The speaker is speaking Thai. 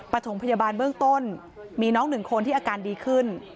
ถมพยาบาลเบื้องต้นมีน้องหนึ่งคนที่อาการดีขึ้น